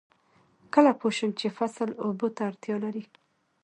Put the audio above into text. کله پوه شم چې فصل اوبو ته اړتیا لري؟